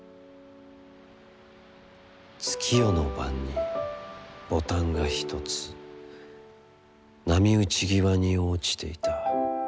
月夜の晩に、ボタンが一つ波打際に、落ちていた。